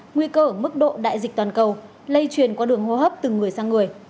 nguy cơ mức độ đại dịch toàn cầu lây truyền qua đường hô hấp từ người sang người